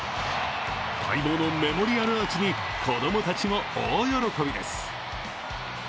待望のメモリアルアーチに子供たちの大喜びです。